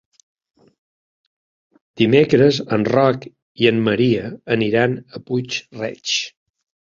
Dimecres en Roc i en Maria aniran a Puig-reig.